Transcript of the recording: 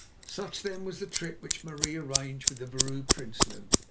Such then was the trick which Marie arranged with the Vrouw Prinsloo.